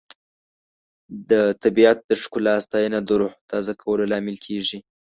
د طبیعت د ښکلا ستاینه د روح تازه کولو لامل کیږي.